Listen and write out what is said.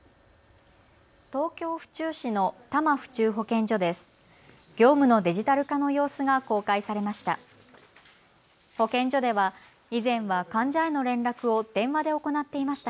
東京府中市の多摩府中保健所です。